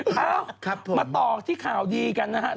เอ้ามาต่อที่ข่าวดีกันนะครับ